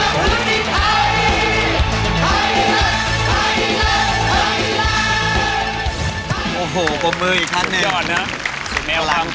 คิดไม่ธรรมดา